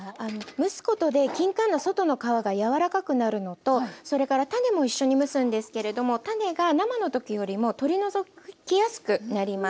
蒸すことできんかんの外の皮が柔らかくなるのとそれから種も一緒に蒸すんですけれども種が生の時よりも取り除きやすくなります。